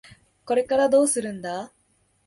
これからどうするんだ？